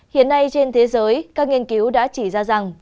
hiện nay trên thế giới các nghiên cứu đã chỉ ra rằng